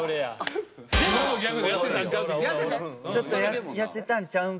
ちょっと痩せたんちゃうんかい。